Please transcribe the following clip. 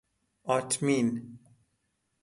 آتمین